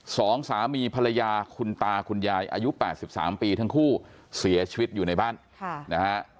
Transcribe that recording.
สองสามีภรรยาคุณตาคุณยายอายุ๘๓ปีทั้งคู่เสียชีวิตอยู่ในบ้านค่ะนะฮะ